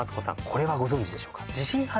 これはご存じでしょうか？